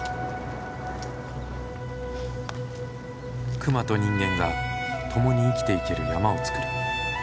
熊と人間が共に生きていける山をつくる。